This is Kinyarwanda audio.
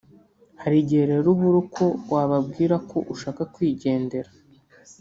Hari igihe rero ubura uko wababwira ko ushaka kwigendera